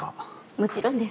もちろんです。